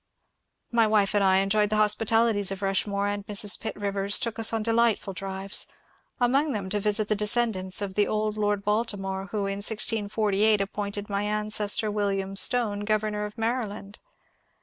My wife and I enjoyed the hospitalities of Rushmore, and Mrs. Pitt Rivers took us on delightful drives, — among them to visit descendants of the old Lord Baltimore who in 1648 appointed my ancestor William Stone governor of Maryland.